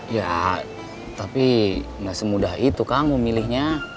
ya tapi gak semudah itu kamu milihnya